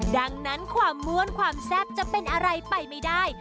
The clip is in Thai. ดังนั้นความม่วนความแซ่บจะเป็นอะไรไปไม่ได้